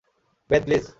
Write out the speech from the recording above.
Bathe, please.